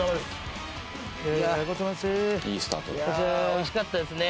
おいしかったですね